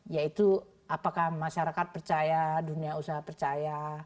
yaitu apakah masyarakat percaya dunia usaha percaya